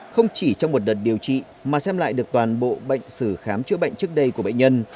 không chỉ trong một đợt điều trị mà xem lại được toàn bộ bệnh sử khám chữa bệnh trước đây của bệnh nhân